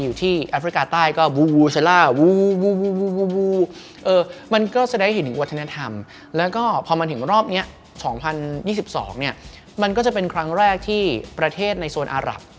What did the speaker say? วัน๒๒มันก็จะเป็นครั้งแรกที่ประเทศในโซนอารับ